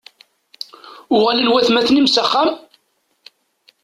Uɣalen watmaten-im s axxam?